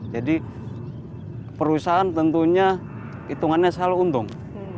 jadi perusahaan tentunya hitungannya selalu untung